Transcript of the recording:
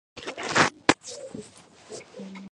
იგი მორდორში დაბრუნდა და ძალები მოიკრიბა.